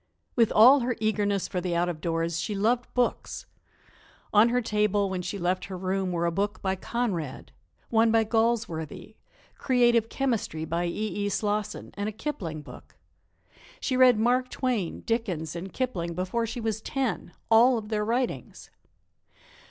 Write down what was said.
With all her eagerness for the out of doors, she loved books. On her table when she left her room were a book by Conrad, one by Galsworthy, "Creative Chemistry" by E. E. Slosson, and a Kipling book. She read Mark Twain, Dickens and Kipling before she was ten all of their writings.